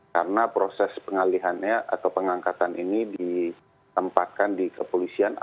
karena proses pengalihannya atau pengangkatan ini ditempatkan di kepolisian